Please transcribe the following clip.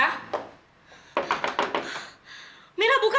tapi mereka juga